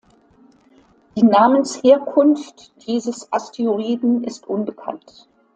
Die Namensherkunft dieses Asteroiden ist unbekannt.